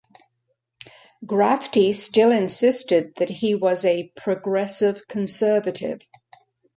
Grafftey still insisted that he was a "Progressive Conservative".